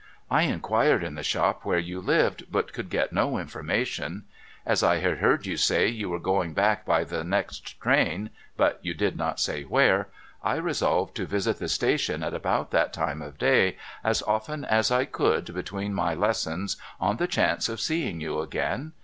' I inquired in the shop where you lived, but could get no infor mation. As I had heard you say that you were going back by the next train (but you did not say w^here), I resolved to visit the station at about that time of day, as often as I could, between my lessons, on the chance of seeing you again.